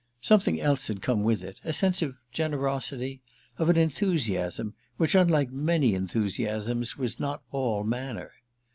Something else had come with it—a sense of generosity, of an enthusiasm which, unlike many enthusiasms, was not all manner.